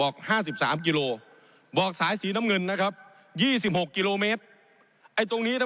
ผมอภิปรายเรื่องการขยายสมภาษณ์รถไฟฟ้าสายสีเขียวนะครับ